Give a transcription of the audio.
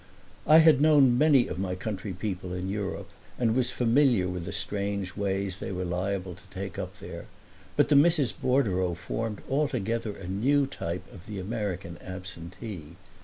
I had known many of my country people in Europe and was familiar with the strange ways they were liable to take up there; but the Misses Bordereau formed altogether a new type of the American absentee.